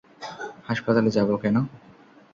হাসপাতালে যাব কেন?